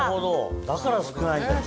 だから少ないんだ。